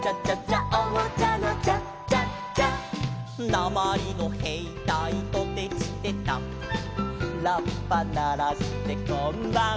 「なまりのへいたいトテチテタ」「ラッパならしてこんばんは」